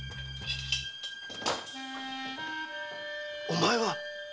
お前は！